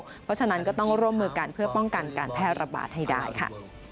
เพราะฉะนั้นก็ต้องร่วมมือกันเพื่อป้องกันการแพร่ระบาดให้ได้ค่ะ